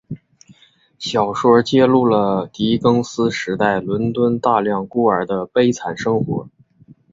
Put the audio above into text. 小说揭露了狄更斯时代伦敦大量孤儿的悲惨生活。